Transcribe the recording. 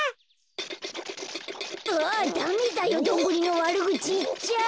あダメだよドンブリのわるぐちいっちゃ。